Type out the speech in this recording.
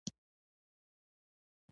ښارګوټي د کرنې ځمکې خوري؟